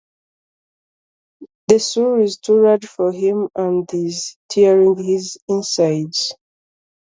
The soul is too large for him and is tearing his insides.